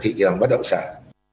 thì thị trường bất động sản